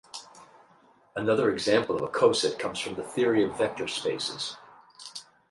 Another example of a coset comes from the theory of vector spaces.